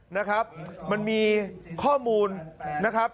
นะครับมันมีข้อมูลนะครับ